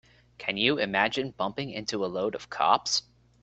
Can you imagine bumping into a load of cops?